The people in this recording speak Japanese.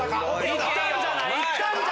いったんじゃない⁉きた！